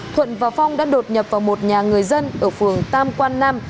thuận và phong đã đột nhập vào một nhà người dân ở phường tam quan nam